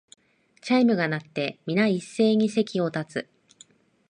チャイムが鳴って、みな一斉に席を立つ